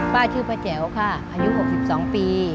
ป้าชื่อป้าแจ๋วค่ะอายุ๖๒ปี